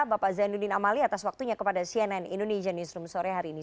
bapak zainuddin amali atas waktunya kepada cnn indonesia newsroom sore hari ini